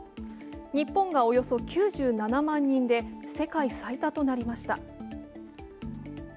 日本がおよそ９７万人で世界最多となりました。